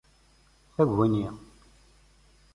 Taguni.